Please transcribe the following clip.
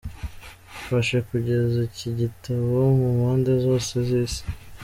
Dufashe kugeza iki gitabo mu mpande zose z’isi.